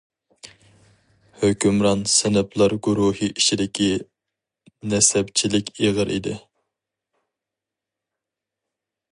ھۆكۈمران سىنىپلار گۇرۇھى ئىچىدىكى نەسەبچىلىك ئېغىر ئىدى.